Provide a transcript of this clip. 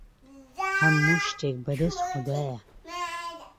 هەموو شتێک بەدەست خودایە.